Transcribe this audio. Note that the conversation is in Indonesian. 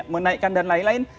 menaikkan dan lain lain